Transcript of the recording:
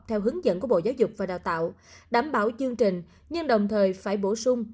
theo hướng dẫn của bộ giáo dục và đào tạo đảm bảo chương trình nhưng đồng thời phải bổ sung